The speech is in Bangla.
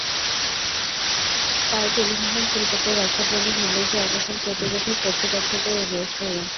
তাই টেলিভিশনশিল্পকে রক্ষার জন্য ভিনদেশি আগ্রাসন প্রতিরোধে কর্তৃপক্ষকেও এগিয়ে আসতে হবে।